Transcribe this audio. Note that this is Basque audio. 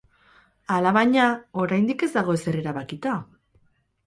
Alabaina, oraindik ez dago ezer erabakita!